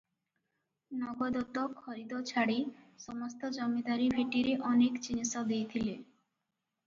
ନଗଦ ତ ଖରିଦ ଛାଡ଼ି ସମସ୍ତ ଜମିଦାରୀ ଭେଟିରେ ଅନେକ ଜିନିଷ ଦେଇଥିଲେ ।